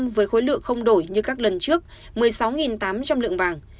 với khối lượng không đổi như các lần trước một mươi sáu tám trăm linh lượng vàng